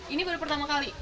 ini baru pertama kali